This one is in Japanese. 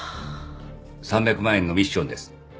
３００万円のミッションです。